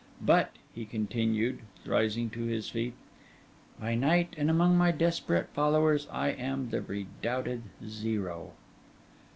But,' he continued, rising to his feet, 'by night, and among my desperate followers, I am the redoubted Zero.